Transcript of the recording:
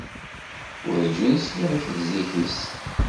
Werǧin sliɣ i tezlit-is.